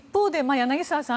、柳澤さん